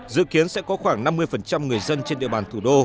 dự kiến sẽ có khoảng năm mươi người dân trên địa bàn thủ đô